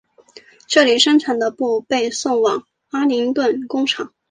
这里生产的布被送往阿灵顿工厂。